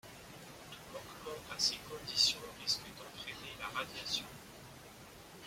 Tout manquement à ces conditions risque d'entraîner la radiation.